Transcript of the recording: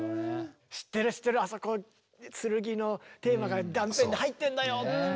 知ってる知ってるあそこ剣のテーマが断片で入ってんだよ。